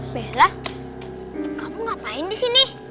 bella kamu ngapain di sini